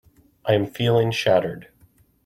I am feeling shattered.